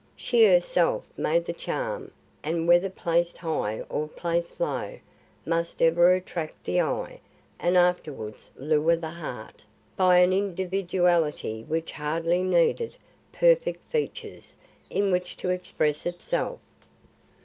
She herself made the charm and whether placed high or placed low, must ever attract the eye and afterwards lure the heart, by an individuality which hardly needed perfect features in which to express itself.